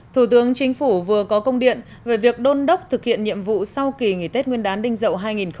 thủ tướng chính phủ vừa có công điện về việc đôn đốc thực hiện nhiệm vụ sau kỳ nghỉ tết nguyên đán đinh dậu hai nghìn hai mươi